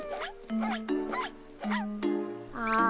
ああ。